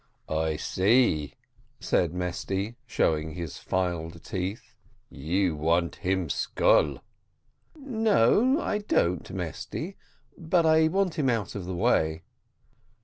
"I see," said Mesty, showing his filed teeth, "you want him skull." "No, I don't, Mesty; but I want him out of the way."